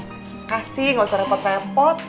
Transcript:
makasih gak usah repot repot